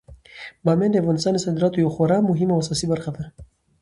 بامیان د افغانستان د صادراتو یوه خورا مهمه او اساسي برخه ده.